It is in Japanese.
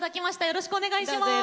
よろしくお願いします。